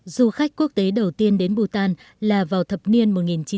du khách quốc tế đầu tiên đến bhutan là vào thập niên một nghìn chín trăm bảy mươi